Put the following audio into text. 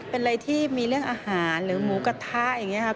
เป็นอะไรที่มีเรื่องอาหารหรือหมูกระทะอย่างนี้ครับ